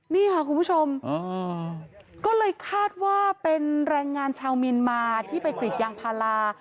นี่ค่ะคุณผู้ชมก็เลยคาดว่าเป็นแรงงานชาวเมียนมาที่ไปกรีดยางพารา